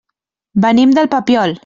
Venim del Papiol.